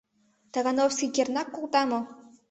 Тагановский кернак колта мо?